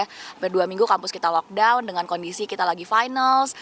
hampir dua minggu kampus kita lockdown dengan kondisi kita lagi finals